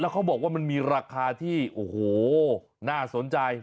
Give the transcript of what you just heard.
เขาบอกว่ามันมีราคาที่โอ้โหน่าสนใจ